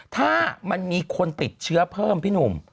ถ้ามันมีคนติดเชื้อเพิ่มพี่หนุ่ม